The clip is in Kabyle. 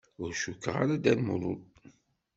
Ur cukkeɣ ara d Dda Lmulud.